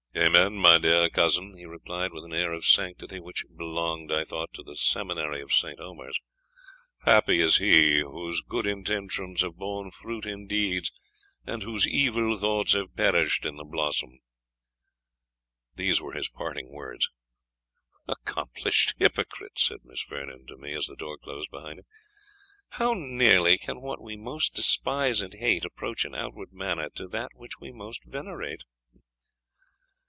"Amen, my fair cousin," he replied, with an air of sanctity, which belonged, I thought, to the seminary of Saint Omers; "happy is he whose good intentions have borne fruit in deeds, and whose evil thoughts have perished in the blossom." These were his parting words. "Accomplished hypocrite!" said Miss Vernon to me, as the door closed behind him "how nearly can what we most despise and hate, approach in outward manner to that which we most venerate!"